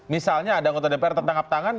misalnya ada anggota dpr tertangkap tangan